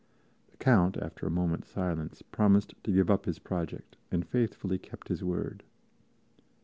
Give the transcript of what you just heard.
The Count, after a moment's silence, promised to give up his project, and faithfully kept his word.